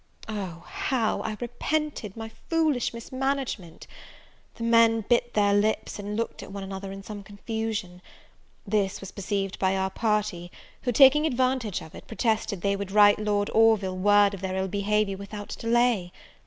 Oh, how I repented my foolish mismanagement! The men bit their lips, and looked at one another in some confusion. This was perceived by our party; who, taking advantage of it, protested they would write Lord Orville word of their ill behaviour without delay.